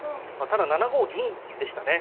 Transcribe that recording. ただ７五銀でしたね。